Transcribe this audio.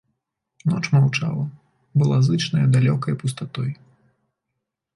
Ноч маўчала, была зычная далёкай пустатой.